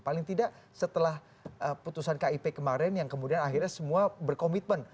paling tidak setelah putusan kip kemarin yang kemudian akhirnya semua berkomitmen